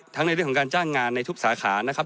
ในเรื่องของการจ้างงานในทุกสาขานะครับ